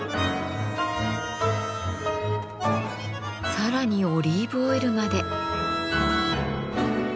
さらにオリーブオイルまで。